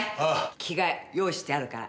着替え用意してあるから。